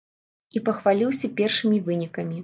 І пахваліўся першымі вынікамі.